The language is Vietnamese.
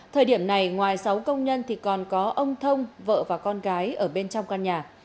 thời điểm này ngoài sáu công nhân thì còn có ông thông vợ và con gái ở bên trong căn nhà